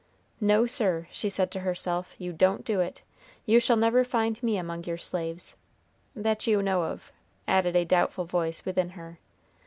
"No, sir," she said to herself, "you don't do it. You shall never find me among your slaves," "that you know of," added a doubtful voice within her.